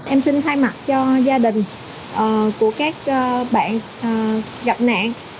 em xin thay mặt cho gia đình của các bạn gặp nạn